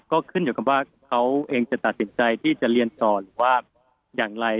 ก็ขึ้นอยู่กับว่าเขาเองจะตัดสินใจที่จะเรียนต่อหรือว่าอย่างไร